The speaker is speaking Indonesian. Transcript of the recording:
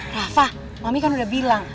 rafah mami kan udah bilang